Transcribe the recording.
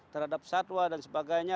terhadap satwa dan sebagainya